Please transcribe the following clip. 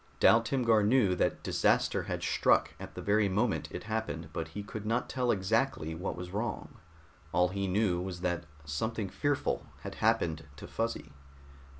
Dal Timgar knew that disaster had struck at the very moment it happened, but he could not tell exactly what was wrong. All he knew was that something fearful had happened to Fuzzy.